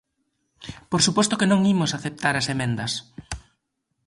Por suposto que non imos aceptar as emendas.